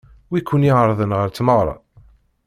Wi ken-iɛeṛḍen ɣer tmeɣṛa?